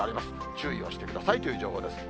注意をしてくださいという情報です。